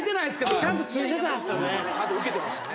ちゃんと受けてましたね。